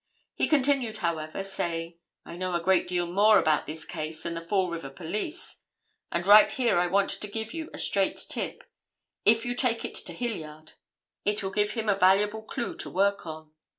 He continued, however, saying, 'I know a great deal more about this case than the Fall River police, and right here I want to give you a straight tip, and you take it to Hilliard. It will give him a valuable clue to work on.